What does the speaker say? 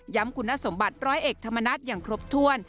คุณสมบัติร้อยเอกธรรมนัฐอย่างครบถ้วน